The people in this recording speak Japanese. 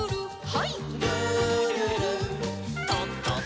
はい。